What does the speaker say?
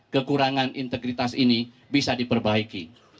kekurangan integritas ini bisa diperbaiki